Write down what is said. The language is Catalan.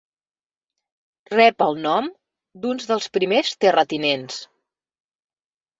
Rep el nom d'un dels primers terratinents.